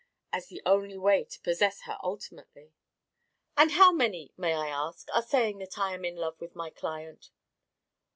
"As the only way to possess her ultimately." "And how many, may I ask, are saying that I am in love with my client?"